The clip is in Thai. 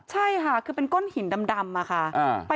ใช่ค่ะคือเป็นก้อนหินดำค่ะ